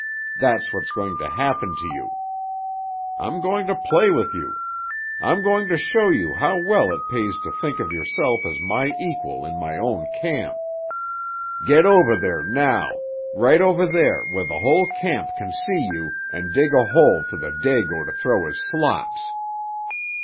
That's what's going to happen to you! I'm going to play with you. I'm going to show you how well it pays to think of yourself as my equal in my own camp. Get over there now—right over there where the whole camp can see you, and dig a hole for the Dago to throw his slops!"